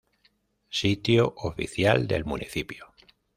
Sitio oficial del municipio